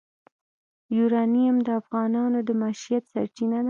یورانیم د افغانانو د معیشت سرچینه ده.